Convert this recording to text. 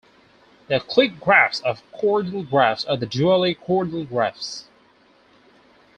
The clique graphs of chordal graphs are the dually chordal graphs.